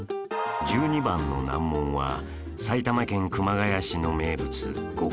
１２番の難問は埼玉県熊谷市の名物五家宝